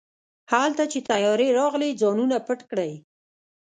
هلته چې طيارې راغلې ځانونه پټ کړئ.